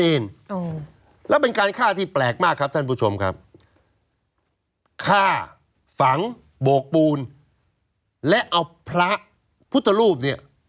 แล้วเป็นการฆ่าที่แปลกมากครับท่านผู้ชมครับฆ่าฝังโบกปูนและเอาพระพุทธรูปเนี่ย